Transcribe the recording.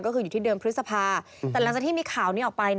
ก็คืออยู่ที่เดิมพฤษภาแต่หลังจากที่มีข่าวนี้ออกไป